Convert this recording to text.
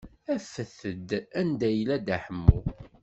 Afet-d anda yella Dda Ḥemmu.